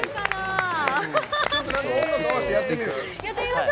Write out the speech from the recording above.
ちょっと音楽に合わせてやってみる？